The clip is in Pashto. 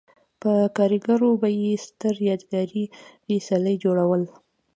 په کارګرو به یې ستر یادګاري څلي جوړول.